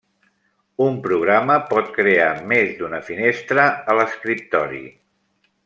Un programa pot crear més d'una finestra a l'escriptori.